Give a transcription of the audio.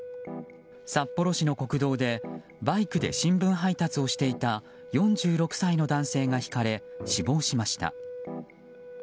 札幌市の国道でバイクで新聞配達をしていた４６歳の男性がひかれ死亡しました。